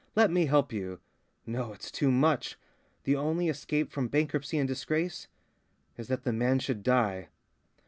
Let me help you.' No, it's too much! The only escape from bankruptcy and disgrace is that the man should die."